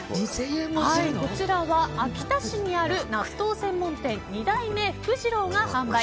こちらは秋田市にある納豆専門店・二代目福治郎が販売。